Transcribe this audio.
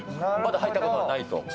まだ入ったことはないと？